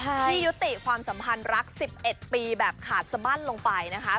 ที่ยุติความสัมพันธ์รัก๑๑ปีแบบขาดสบั้นลงไปนะคะ